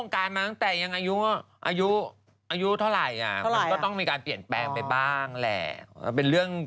ทำแล้วมันเป็นอะไรหรือ